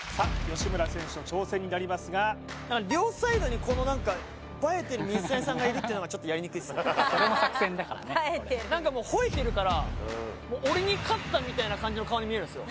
吉村選手の挑戦になりますが両サイドにこの何か映えてる水谷さんがいるってのがちょっとやりにくいっすね何かもうほえてるから俺に勝ったみたいな感じの顔に見えるんすよ